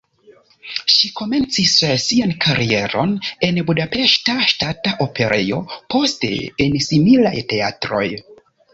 Ŝi komencis sian karieron en Budapeŝta Ŝtata Operejo, poste en similaj teatroj.